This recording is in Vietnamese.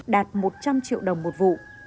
đạt một trăm linh triệu đồng một vụ